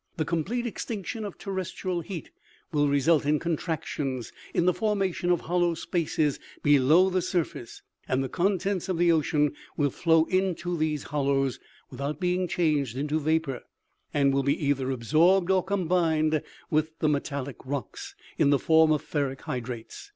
The complete extinction of terrestrial heat will result in contractions, in the formation of hollow spaces be low the surface, and the contents of the ocean will flow into these hollows, without being changed into vapor, and will be either absorbed or combined with the metal lic rocks, in the form of ferric hydrates.